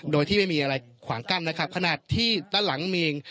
โดยที่ไม่มีอะไรขวางกั้นนะครับขนาดที่ด้านหลังมีเอง